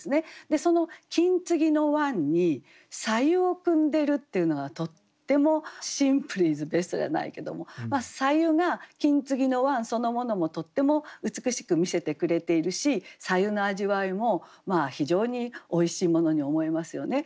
でその金継ぎの碗に白湯を汲んでるっていうのがとってもシンプルイズベストじゃないけども白湯が金継ぎの碗そのものもとっても美しく見せてくれているし白湯の味わいも非常においしいものに思えますよね。